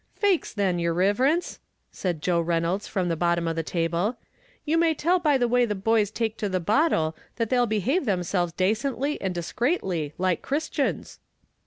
"Faix, then, yer riverence," said Joe Reynolds from the bottom of the table, "you may tell by the way the boys take to the bottle, that they'll behave themselves dacently and discreatly, like Christians."